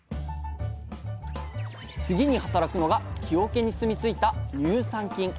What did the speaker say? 次に働くのが木桶に住みついた乳酸菌。